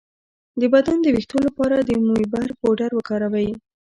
د بدن د ویښتو لپاره د موبری پوډر وکاروئ